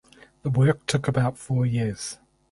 The work took about four years.